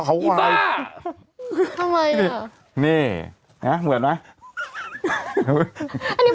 เขาใจมือสะอาดอยู่